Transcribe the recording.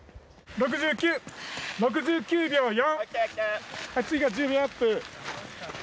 ６９秒４！